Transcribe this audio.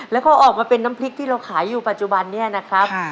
แล้วก็ออกมาเป็นน้ำพริกที่เราขายอยู่ปัจจุบันนี้นะครับ